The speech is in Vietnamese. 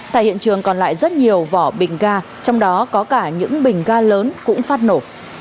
tại hiện trường còn lại rất nhiều vỏ bình ga trong đó có cả những bình ga lớn cũng phát nổ